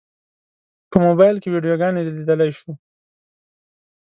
په موبایل کې ویډیوګانې لیدلی شو.